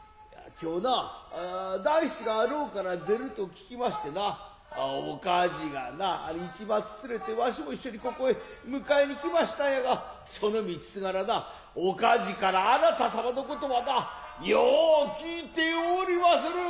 今日な団七が牢から出るとききましてなお梶がな市松連れてわしも一緒にここへ迎えに来ましたんやがその道すがらなお梶からあなた様の事はなよう聞いておりまする。